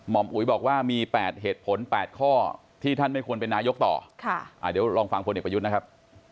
ผมให้ความไม่มีความคิดเห็นนะครับ